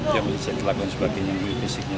dia menunjukkan kelakuan sebagainya fisiknya